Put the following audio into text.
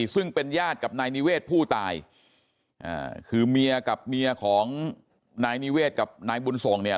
ซึ่งเป็นญาติกับนายนิเวศผู้ตายคือเมียกับเมียของนายนิเวศกับนายบุญส่งเนี่ย